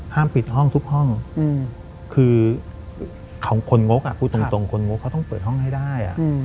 ปิดห้องทุกห้องคือของคนงกพูดตรงคนงกเขาต้องเปิดห้องให้ได้